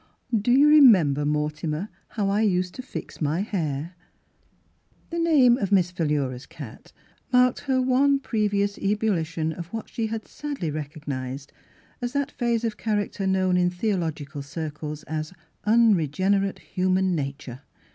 " Do you remember, Mortimer, how I used to fix my hair ?"[ 9 ] Miss Philura's Wedding Gown The name of Miss Philura's cat marked her one previous ebulition of what she had sadly recognised as that phase of char acter known in theological circles as " un regenerate human nature."